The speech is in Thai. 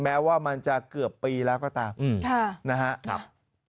แม้ว่ามันจะเกือบปีแล้วก็ตามนะครับ